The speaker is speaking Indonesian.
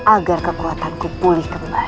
agar kekuatanku pulih kembali